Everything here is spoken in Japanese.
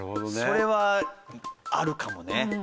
それはあるかもね。